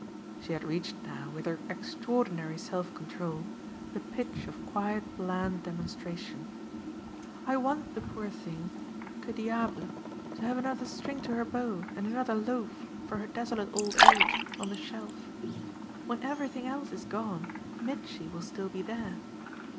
She had reached now, with her extraordinary self control, the pitch of quiet bland demonstration. "I want the poor thing, que diable, to have another string to her bow and another loaf, for her desolate old age, on the shelf. When everything else is gone Mitchy will still be there.